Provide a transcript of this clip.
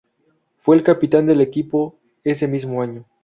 Fue el capitán del equipo ese mismo año.